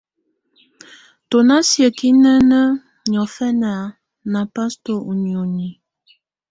Tù nà siǝ́kinǝnǝ́ niɔ̀fɛna nà pasto ù nioni.